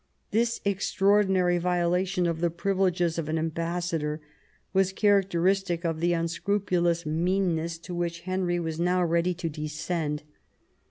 This extraordinary violation of the privileges of an ambassador was characteristic of the unscrupulous mean ness to which Henry was now ready to descend.